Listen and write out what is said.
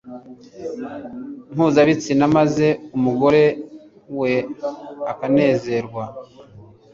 mpuzabitsina maze umugore we akanezerwa